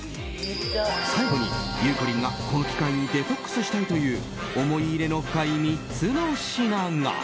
最後に、ゆうこりんがこの機会にデトックスしたいという思い入れの深い３つの品が。